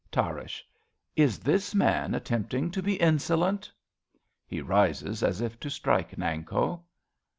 Tarrasch. Is this man attempting to be insolent ? {He rises as if to strike Nanko.)